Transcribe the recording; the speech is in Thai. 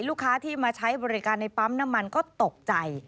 ลูกค้าที่มาใช้บริการในปั๊มน้ำมันก็ตกใจ